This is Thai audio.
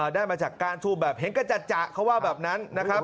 ได้มาจากก้านทูบแบบเห็นกระจัดเขาว่าแบบนั้นนะครับ